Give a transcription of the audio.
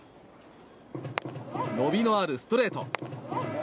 伸びのあるストレート。